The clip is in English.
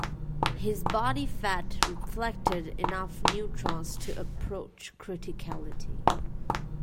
His body fat reflected enough neutrons to approach criticality.